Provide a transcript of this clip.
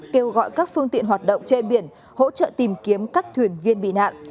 kêu gọi các phương tiện hoạt động trên biển hỗ trợ tìm kiếm các thuyền viên bị nạn